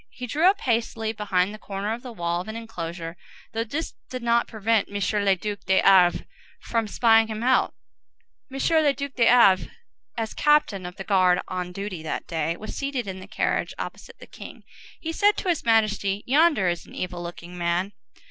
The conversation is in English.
He drew up hastily behind the corner of the wall of an enclosure, though this did not prevent M. le Duc de Havré from spying him out. M. le Duc de Havré, as captain of the guard on duty that day, was seated in the carriage, opposite the king. He said to his Majesty, "Yonder is an evil looking man."